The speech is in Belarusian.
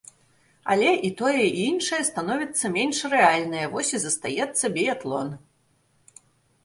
Але і тое, і іншае становіцца менш рэальнае, вось і застаецца біятлон.